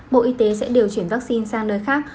bộ y tế sẽ điều chuyển vaccine sang nơi khác